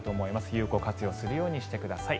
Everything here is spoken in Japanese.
有効活用するようにしてください。